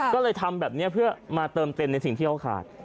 ก็เลยทำแบบนี้เพื่อมาเติมเต็มในสิ่งที่เขาขาด